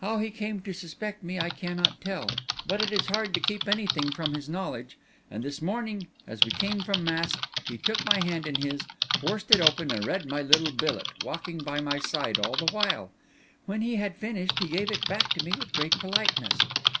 How he came to suspect me I cannot tell; but it is hard to keep anything from his knowledge; and this morning, as we came from mass, he took my hand in his, forced it open, and read my little billet, walking by my side all the while. When he had finished, he gave it back to me with great politeness.